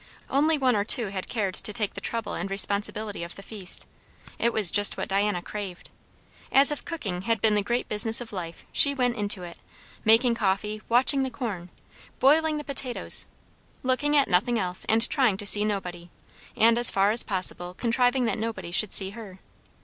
Only one or two had cared to take the trouble and responsibility of the feast; it was just what Diana craved. As if cooking had been the great business of life, she went into it; making coffee, watching the corn, boiling the potatoes; looking at nothing else and trying to see nobody, and as far as possible contriving that nobody should see her.